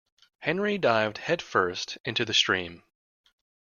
Henry dived headfirst into the stream.